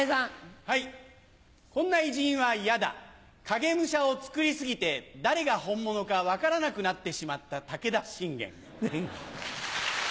影武者を作り過ぎて誰が本物か分からなくなってしまった武田信玄。